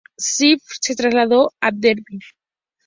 Spiller se trasladó a Derby.